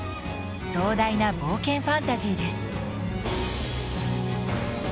壮大な冒険ファンタジーです。